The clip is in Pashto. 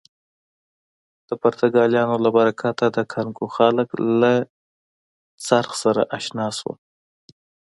د پرتګالیانو له برکته د کانګو خلک له څرخ سره اشنا شول.